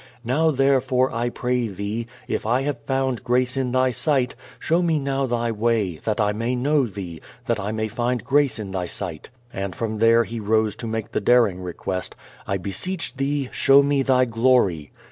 "Now, therefore, I pray thee, if I have found grace in thy sight, show me now thy way, that I may know thee, that I may find grace in thy sight"; and from there he rose to make the daring request, "I beseech thee, show me thy glory."